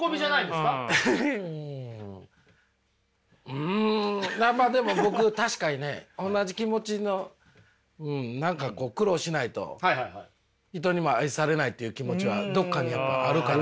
うんまあでも僕確かにね同じ気持ちの何かこう苦労しないと人にも愛されないっていう気持ちはどっかにやっぱあるから。